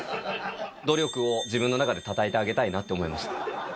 努力を自分の中でたたえてあげたいなって思いました。